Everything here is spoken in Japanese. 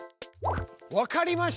わかりました。